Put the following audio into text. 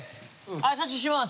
挨拶します。